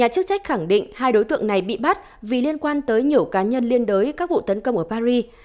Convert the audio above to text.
các khẳng định hai đối tượng này bị bắt vì liên quan tới nhiều cá nhân liên đối các vụ tấn công ở paris